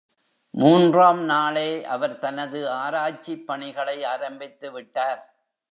மூன்றாம் நாளே அவர் தனது ஆராய்ச்சிப் பணிகளை ஆரம்பித்து விட்டார்.